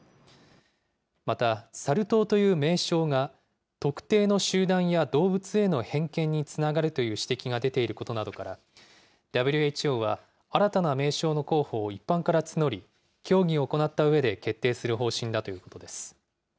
また、サル痘という名称が、特定の集団や動物への偏見につながるという指摘が出ていることなどから、ＷＨＯは新たな名称の候補を一般から募り、協議を行ったうえで決定する方針だということです。